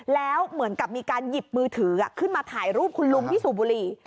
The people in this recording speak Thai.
แล้วเหมือนกับมีการหยิบมือถือขึ้นมาถ่ายรูปคุณลุงที่สูบบุหรี่